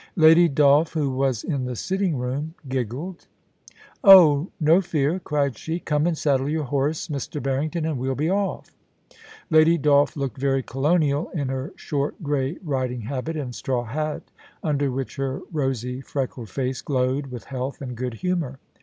Lady Dolph, who was in the sitting room, giggled I lo POLICY AND PASSION. * Oh, no fear !' cried she. ' Come and saddle your horse, Mr. Barrington, and we'll be off.* Lady Dolph looked very colonial in her short grey riding habit and straw hat, under which her rosy, freckled face glowed with health and good humour.